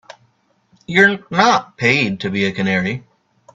You're not paid to be a canary.